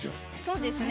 そうですね。